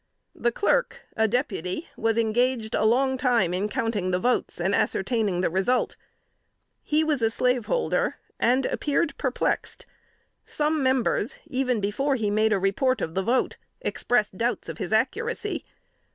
The Clerk (a deputy) was engaged a long time in counting the votes, and ascertaining the result. He was a slaveholder, and appeared perplexed; some members, even before he made report of the vote, expressed doubts of his accuracy.